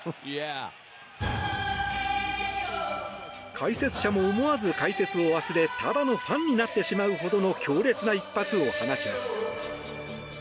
解説者も思わず解説を忘れただのファンになってしまうほどの強烈な一発を放ちます。